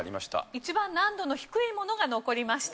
一番難度の低いものが残りました。